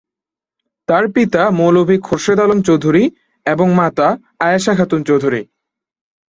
তার পিতা মৌলভী খোরশেদ আলম চৌধুরী এবং মাতা আয়েশা খাতুন চৌধুরী।